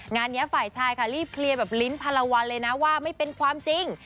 งานนี้ฝ่ายชายค่ะรีบเคลียร์แบบลิ้นพันละวันเลยนะว่าไม่เป็นความจริง